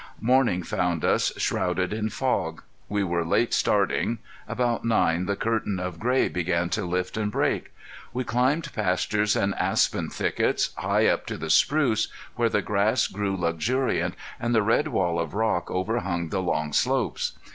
Morning found us shrouded in fog. We were late starting. About nine the curtain of gray began to lift and break. We climbed pastures and aspen thickets, high up to the spruce, where the grass grew luxuriant, and the red wall of rock overhung the long slopes.